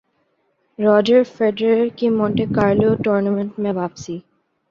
Roger Federer کی Monte Carlo tournament میں واپسی